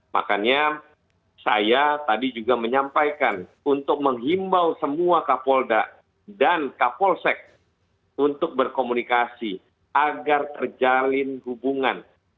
makanya saya tadi juga menyampaikan untuk menghimbau semua kapolda dan kapolsek untuk berkomunikasi agar terjalin hubungan